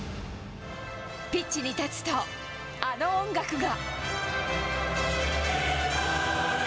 ピッチに立つと、あの音楽が。